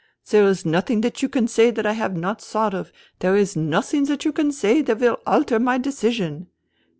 There is nothing that you can say that I have not thought of. There is nothing that you can say that will alter my decision.